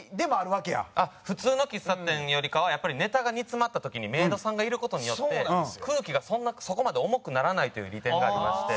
普通の喫茶店よりかはやっぱりネタが煮詰まった時にメイドさんがいる事によって空気がそこまで重くならないという利点がありまして。